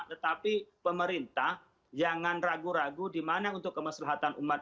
tetapi pemerintah jangan ragu ragu di mana untuk kemeselahatan umat